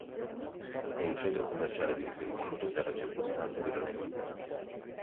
È il centro commerciale di riferimento per la circostante regione agricola.